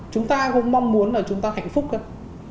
chúng ta cũng mong muốn là chúng ta hạnh phúc